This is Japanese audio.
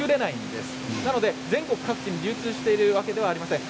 ですので全国各地に流通しているわけではありません。